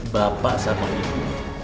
bapak sama ibu